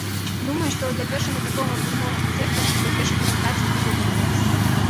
Думаю, што для першага такога буйнога канцэрту, для першай прэзентацыі, усё было добра.